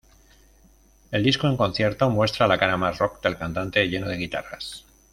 El disco en concierto muestra la cara más rock del cantante, lleno de guitarras.